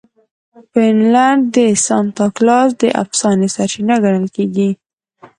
فنلنډ د سانتا کلاز د افسانې سرچینه ګڼل کیږي.